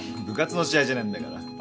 部活の試合じゃねえんだから。